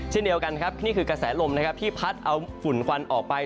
เช่นเดียวกันครับนี่คือกระแสลมนะครับที่พัดเอาฝุ่นควันออกไป